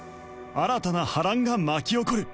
新たな波乱が巻き起こる